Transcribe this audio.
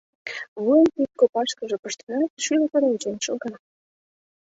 Вуйым кид копашкыже пыштенат, шӱлыкын ончен шога.